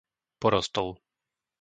Porostov